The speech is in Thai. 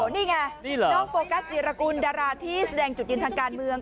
นี่ไงน้องโฟกัสจิรกุลดาราที่แสดงจุดยืนทางการเมือง